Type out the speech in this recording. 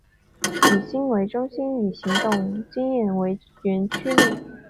以心为中心以行动经验为原驱力。